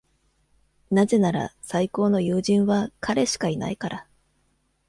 なぜなら、最高の友人は彼しかいないから。